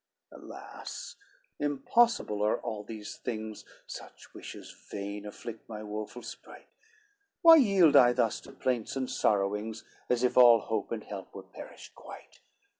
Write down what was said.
LXXXVI "Alas! impossible are all these things, Such wishes vain afflict my woful sprite, Why yield I thus to plaints and sorrowings, As if all hope and help were perished quite?